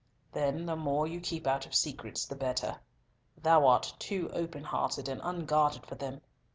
"Then the more you keep out of secrets the better. Thou art too open hearted and unguarded for them!